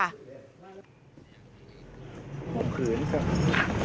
ข่มขืนครับ